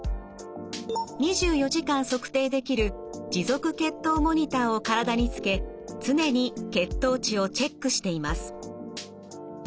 ２４時間測定できる持続血糖モニターを体につけ常に血糖値をチェックしています。